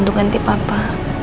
untuk ganti papa